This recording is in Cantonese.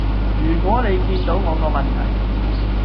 如果你見到我個問題